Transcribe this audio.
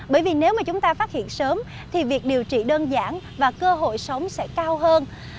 bởi vì nếu mà chúng ta phát hiện sớm thì việc điều trị đơn giản và cơ hội sống sẽ cao hơn